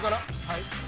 はい。